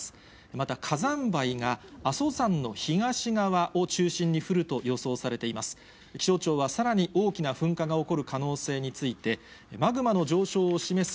また、火山灰が阿蘇山の東側を中心に降ると予想されています。